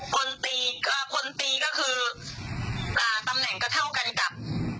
คนตีก็คือตำแหน่งก็เท่ากันกับ